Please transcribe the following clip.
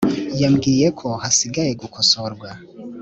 yambwiye ko hasigaye gukosorwa